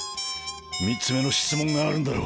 ３つ目の質問があるんだろ？